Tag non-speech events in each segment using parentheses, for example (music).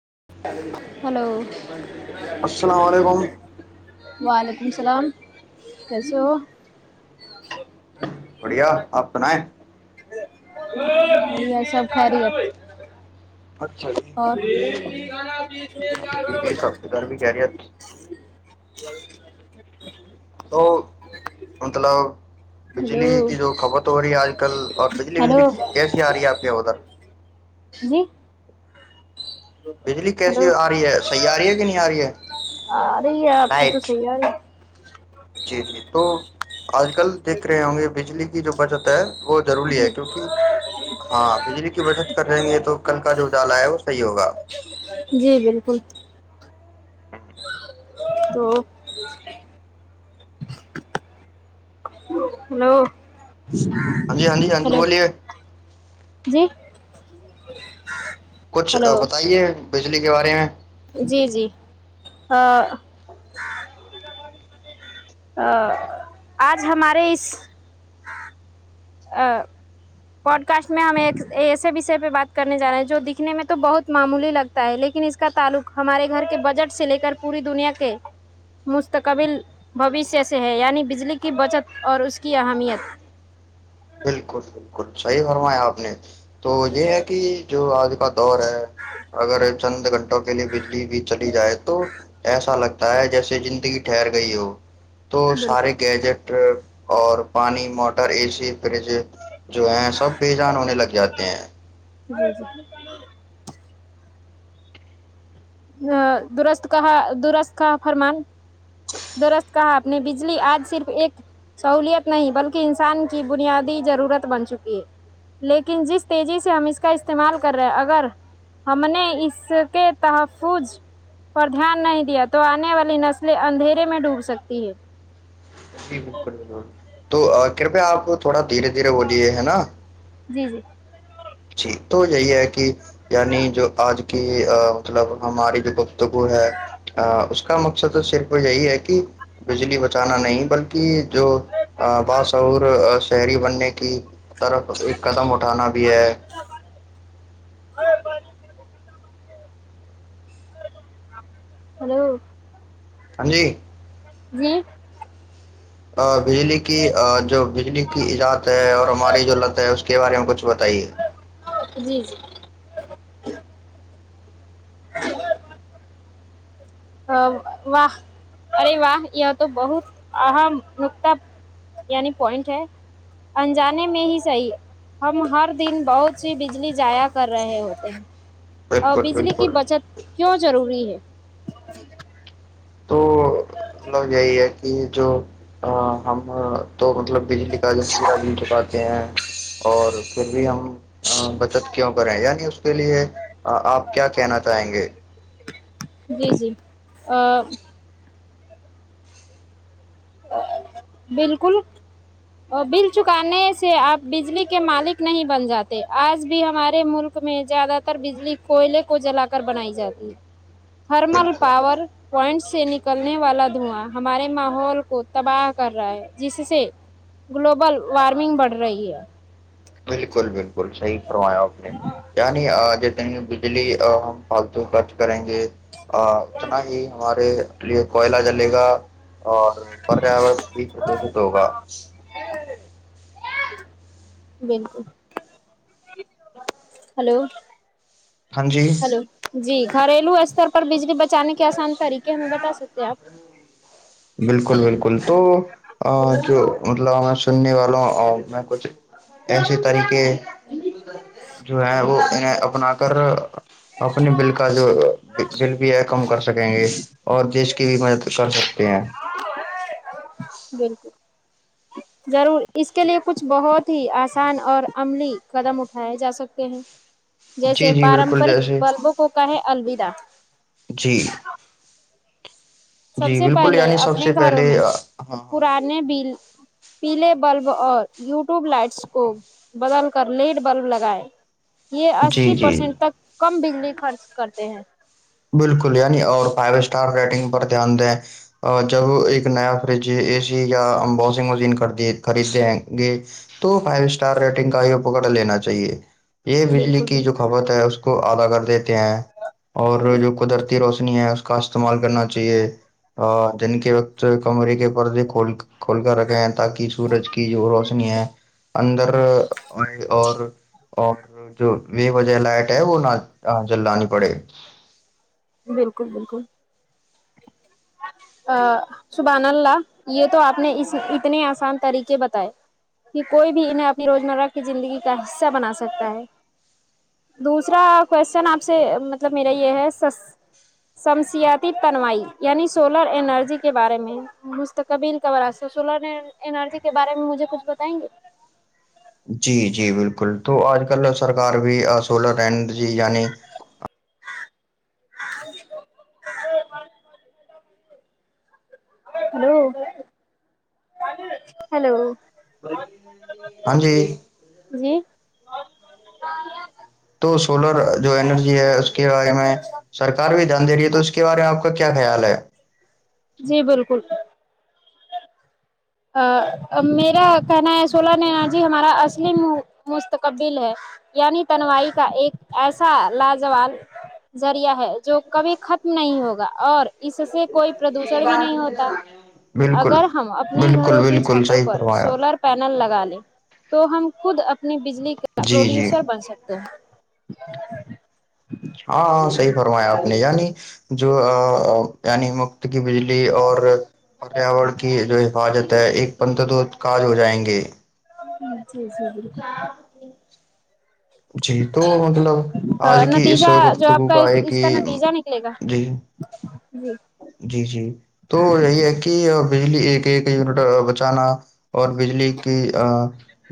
(unintelligible) السلام علیکم وعلیکم السلام کیسے ہو بڑھیا آنا ہے یہ سب کھا رہی ہے اچھا جی ہاں جی جی سب گرمی کہہ رہی ہے (inaudible) تو مطلب ہلو بجلی کی جو کھپت ہو رہی ہے آج کل اور بجلی وجلی ہلو کیسی آ رہی ہے آپ کے ادھر جی بجلی ہلو کیسی آ رہی ہے صحیح آ رہی ہے کہ نہیں آ رہی ہے آ رہی ہے آپ کی تو لائٹ صحیح آ رہ ہے (inaudible) جی جی تو آج کل دیکھ رہے ہوں گے بجلی کی جو بچت ہے وہ ضروری ہے کیونکہ ہاں بجلی کی بچت کر رہیں گے تو کل کا جو اجالا ہے وہ صحیح ہوگا جی جی بالکل تو ہلو ہاں جی ہاں جی ہاں جی ہلو بولیے جی (inaudible) کچھ ہلو بتائیے بجلی کے بارے میں جی جی آج ہمارے اس آ پوڈ کاسٹ میں ہم ایک ایسے وشے پہ بات کرنے جا رہے ہیں جو دکھنے میں تو بہت معمولی لگتا ہے لیکن اس کا تعلق ہمارے گھر کے بجٹ سے لے کر پوری دنیا کے مستقبل بوشیہ سے ہے یعنی بجلی کی بچت اور اس کی اہمیت بالکل بالکل صحیح فرمایا آپ نے تو یہ ہے کہ جو آج کا دور ہے اگر چند گھنٹوں کے لیے بجلی بھی چلی جائے تو ایسا لگتا ہے جیسے زندگی ٹھہر گئی ہو تو بالکل سارے گیجٹ اور پانی موٹر اے سی جو ہے سب بیےجان ہونے لگ جاتے ہیں جی جی درست کہا درست کہا فرمان درست کہا اپ نے بجلی آج صرف ایک سہولیت نہیں بلکہ انسان کی بنیادی ضرورت بن چکی ہے لیکن جس تیزی سے ہم اس کا استعمال کر رہے ہیں اگر ہم نے اس کے تح فوج پر دھیان نہیں دیا تو آنے والی نسلیں اندھیرے میں ڈوب سکتی ہے جی بالکل بالکل تو کرپیا آپ تھوڑا دھیرے دھیرے بلیے ہے نا جی جی جی تو یہی ہے کہ یعنی جو آج کی مطلب ہماری جو گفتگو ہے ا اس کا مقصد تو صرف یہی ہے کہ بجلی بچانا نہیں بلکہ جو باسور شہری بننے کی طرف ایک قدم اٹھانا بھی ہے (inaudible) ہلو ہاں جی جی ا بجلی کی جو بجلی کی ایجاد ہے اور ہم ہماری جو لت ہے اس کے بارے میں کچھ بتائیے جی جی واہ ارے واہ یہ تو بہت اہم نکتا یعنی پوائنٹ ہے انجانے میں ہی صحیح ہم ہر دن بہت سی بجلی جایا کر رہے ہوتے ہیں ا بالکل بجلی کی بالکل بچت کیوں ضروری ہے ہہ تو مطلب یہی ہے کہ جو ا ہم تو مطلب بجلی کا چکاتے ہیں اور پھر بھی ہم بچت کیوں کریں یعنی اس کے لیے آپ کیا کہنا چاہیں گے جی جی بالکل بل چکانے سے آپ بجلی کے مالک نہیں بن جاتے آج بھی ہمارے ملک میں زیادہ تر بجلی کوئلے کو جلا کر بنائی جاتی ہے تھرمل بالکل پاور پوائنٹ سے نکلنے والا دھواں ہمارے ماحول کو تباہ کر رہا ہے جس سے گلوبل وارمنگ بڑھ رہی ہے ملکول ب ل ش کروایا نے کیا نہیں ج ت جلی پالتو خرچ کریں گے اتنا ہی ہمارے لیے کوئلہ جلے گا اور پریا بھی پردوشت ہوگا جی بالکل ہلو ہاں جی ہلو جی گھریلو استر پر بجلی بچانے کے آسان طریقے ہم بتا سکتے ہیں آپ بالکل بالکل تو جو مطلب میں سننے والا ہوں اور میں کچھ ایسیے طریق جو ہے وہ انہیں اپنا کر اپنے بل کا جو جل بھی ہے کم کر سکیں گے اور دیش کی بھی کر سکتے ہیں بالکل ضرور اس کے لیے کچھ بہت ہی آسان اور عملی قدم اٹھائے جا سکتے ہیں جیسے جی جی بالکل پارمپرک جیسے بلبوں کو کہے الوودا جی سب جی سے بالکل پہلے یعنی سب اپنے سے گھروں پہلے میں ہاں ہاں پرانے بل پیلے بلب اور یوٹیوب لائٹس کو بدل کر لیٹ بلب لگائے یہ جی اسی جی پرسینٹ تک کم بگ خرچ کرتے ہیں بالکل یعنی اور فائیو اسٹار ریٹنگ پر دھیان دیں اور جب ایک نیا ف اے سی یا ہم واشنگ مشین خد خریدیں گے تو فائیو اسٹار ریٹنگ کا ہی اپکر لینا چاہیے یہ بجلی بالکل کی جو بالکل کھپت ہے اس کو ادا کر دیتے ہیں اور جو قدرتی روشنی ہے کا استعمال کرنا چاہیے دن کے وقت کمرے کے پردے کول کھول کر رکھے ہیں تاکہ سورج کی جو روشنی ہے اندر اور اور جو ب وجہ لائٹ ہے وہ نہ چلانی پڑے بالکل بالکل سبان اللہ یہ تو آپ نے اس اتنے آسان طریقے بتائے کہ کوئی بھی انہیں اپنی روزمرہ کی زندگی کا حصہ بنا سکتا ہے دوسرا کوشچن آپ سے مطلب میرا یہ ہے شمسیاتی تنوائی یعنی سولر انرجی کے بارے میں مستقبیل کاب راست سولر انرجی کے بارے میں مجھے کچھ بتائیں گے جی جی بالکل تو آج کل سرکار بھی سولر رہڈ جی یعنی ہلو ہیلو ہاں جی جی تو سولر جو اینرجی ہے اس کے بارے میں سرکار بھی دھیان دے رہی ہے تو اس کے بارے میں آپ کا کیا خیال ہے جی بالکل ا میرا کہنا ہے سولہ نینا جی ہمارا اصلی مستقبل ہے یعنی تنوائی کا ایک ایسا لاازوال ذریعہ ہے جو کبھی ختم نہیں ہوگا اور اس سے کوئی پردوشن بھی نہیں ہوتا بالکل اگر ہم اپنے بالکل گھروں کی بالکل چھتوں صحیح پر فرمایا سولر پینل لگا لیں تو ہم خود اپنے اپنی بجلی کا جی جی پروڈیوسر بن سکتے ہیں چ ہاں ہاں صحیح فرمایا آپ نے یعنی جو یعنی کی بجلی اور پریاور کی جو ہے کہ جاتا ہے ایک پنتر دو کاج ہو جائیں گے ہوں جی جی بالک جی تو مطلب آج بالکل کی اس نتیجہ جو آپ گفتگو کا ایک اس ہی نتیجہ نکلے گا جی جی جی جی تو یہی ہے کہ بجلی ایک ایک یونٹ بچانا اور بجلی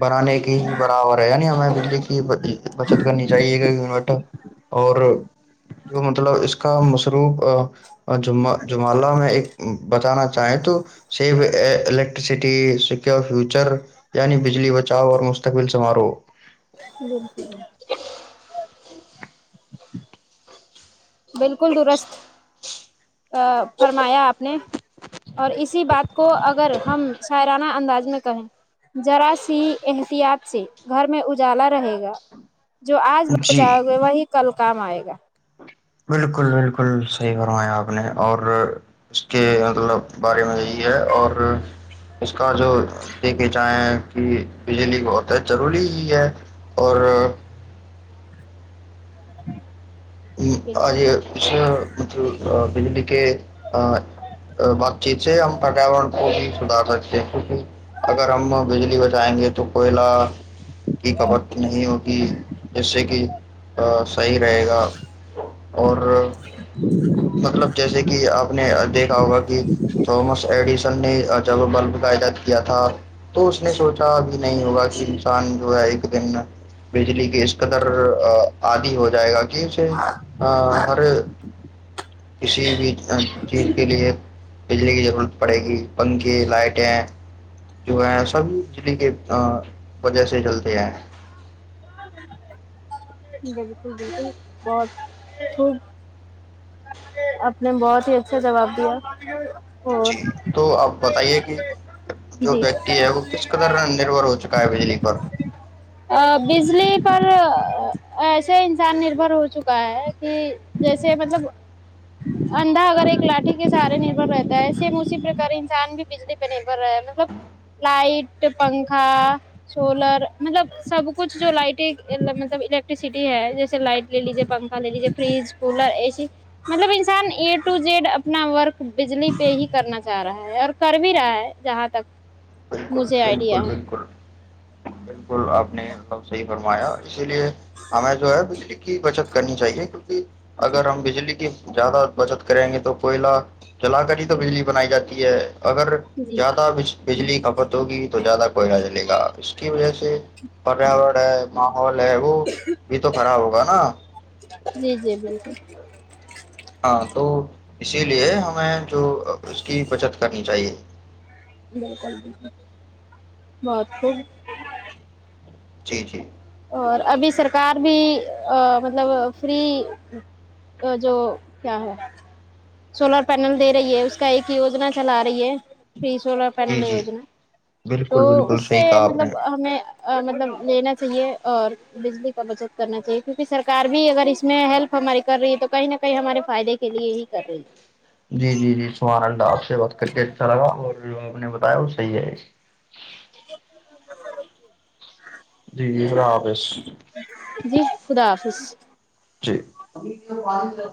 بنانے کی برابر ہے یعنی ہمیں بجلی کی بچت کرنی چاہیے یورٹ اور جو مطلب اس کا سوپ (inaudible) اور م (unintelligible) جمالہ میں ایک بتانا چاہیں تو سیف الیکٹریسٹی سک فیوچر یعنی بجلی بچاؤ اور مستقبل سماروہ (unintelligible) بالکل درست ا فرمایا آپ نے اور اسی بات کو اگر ہم سع انداز میں کہیں جذرا سی احتیاط سے گھر میں اجالا رہے گا جو آج جی بچایا ہوئے وہی کل کام آئے گا بالکل بالکل صحیح فرمایا آپ نے اور اس کے مطلب بارے میں یہی ہے اور اس کا جو دیکے چاہیں کہ بجلی بہت ہے ضروری ہی ہے اور (unintelligible) بالکل آج مط (unintelligible) بجلی کے بات چیت سے ہم پریاورن کو بھی سدھار سکتے ہیں کیونکہ اگر ہم بجلی بچائیں گے تو کوئلہ کی کپت نہیں ہوگ جس سے کہ صحیح رہے گا اور مطلب جیسے کہ آپ نے دیکھا ہوگا کہ تھامس ایڈیسن نے جب بلب قعداد کیا تھا تو اس نے سوچا ا نہیں ہوگا کہ انسان جو ہے ایک دن بجلی کیس قدر آدی ہو جائے گا کہ آ آر (inaudible) کسی بھی چیز کے لیے بجلی کی ضرورت پڑے گی پنکھے لائٹیں جو ہے سب بجلی کے وجہ سے چلتے ہیں بالکل بالکل بہت خوب اپپ نے بہت ہی اچھا جواب دیا (inaudible) جی تو آپ بتائیے کہ جو جی ویکتی ہے وہ کس قدر نربھر ہو چکا ہے بجلی پر بجلی پر ایسے انسان نربھر ہو چکا ہے کہ جیسے مطلب انھا اگر ایک لاٹھی کے سہارے نربھر رہتا ہے سے اسی پرک انسان بھی بجلی پہ نربھر رہا مطلب لائٹ پنکھا سولر مطلب سب کچھ جو لائٹ مطلب الیکٹرسٹی ہے جیسے لائٹ لے لیجے پنکھا لے لیجے فریج کولر اے سی مطلب انسان اے ٹو جیڈ اپنا ورک بجلی پہ ہی کرنا چاہ رہا ہے اور کر بھی رہا ہے جہاں تک بالکل مجھے بالکل آئیڈیا ہے (inaudible) بالکل آپ نے صحیح فرمایا اسی لیے ہمیں جو ہے بجلی کی بچت کرنی چاہیے اگر ہم بجلی کی زیادہ بچت کریں گے تو کوئلہ چلا کر ہی تو بجلی بنائی جاتی ہے اگر جی زیاد بچ بجلی کھپت ہوگی تو زیادہ کوئی نہ جلے گا اس کی وجہ سے پریاورن ا (unintelligible) اورے وہو بھی تو خراب ہوگا نا جی جی بالکل ہاں تو اسی لیے ہمیں جو اس کی بچت کرنی چاہیے بالکل بالکل بت خب جی جی اور ابھی سرکار بھی مطلب فری جو کیا ہے سولر پینل دے رہی ہے اس کا ایک یوجنا چلا رہی ہے فری سولر جی پینل جی یوجنا تو بالکل بالکل اس سے صحیح کہا آپ مطلب نے ہمیں مطلب لینا چاہیے اور بجلی کا بچت کرنا چاہیے کیونکہ سرکار بھی اگر اس میں ہیلپ ہماری کر رہی تو کہیں نہ کہیں ہمارے فائد کے لیے ہی س (unintelligible) جی جی جی سہانندا آپ سے بات کر کے اچھا لگا اور جو ہمپ نے بتایا وہ صحیح ہے (inaudible) جی خراب ہےس جی خدا حافظ جیبھی